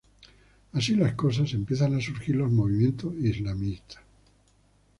Así las cosas, empiezan a surgir los movimientos islamistas.